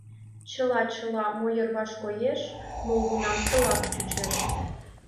Чыла, чыла, мо йырваш коеш, молгунамсылак чучеш.